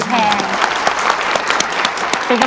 ขอบคุณครับ